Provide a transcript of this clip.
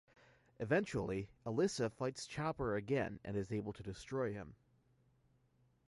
Eventually, Alyssa fights Chopper again and is able to destroy him.